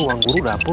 ruang guru dapur